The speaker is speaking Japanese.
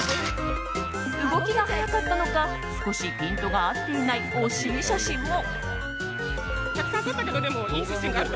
動きが速かったのか少しピントが合っていない惜しい写真も。